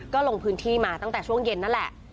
ก็ลงพื้นที่มาตั้งแต่ช่วงเย็นนั่นแหละ